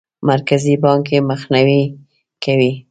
مرکزي بانک یې مخنیوی کوي.